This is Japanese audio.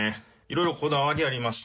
色々こだわりありまして